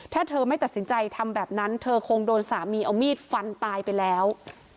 ถ้าเธอไม่ตัดสินใจทำแบบนั้นเธอคงโดนสามีเอามีดฟันตายไปแล้ว